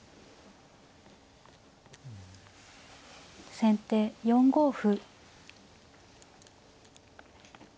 先手４五歩。